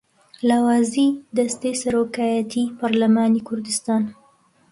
لاوازیی دەستەی سەرۆکایەتیی پەرلەمانی کوردستان